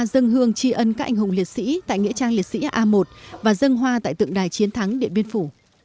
dân hương tri ân các anh hùng liệt sĩ tại nghĩa trang liệt sĩ a một và dân hoa tại tượng đài chiến thắng điện biên phủ